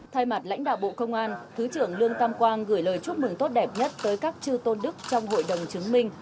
thay mặt lãnh đạo bộ công an thứ trưởng lương tam quang gửi lời chúc mừng tốt đẹp nhất tới các chư tôn đức trong hội đồng chứng minh